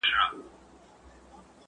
چي ښوونکي او ملا به را ښودله .